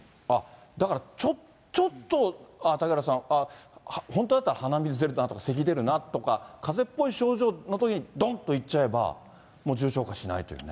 だからちょっと、嵩原さん、あっ、本当だったら鼻水出るなとか、せき出るなとか、かぜっぽい症状のときにどんと行っちゃえば、もう重症化しないというね。